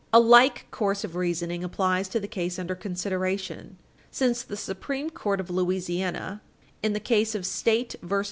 A like course of reasoning applies to the case under consideration, since the Supreme Court of Louisiana in the case of the State ex rel.